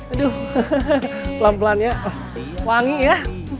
aduh pelan pelannya wangi ya